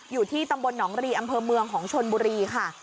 อยู่ที่ตำบลหนองรีอำเภอเมืองของชนบุรีค่ะ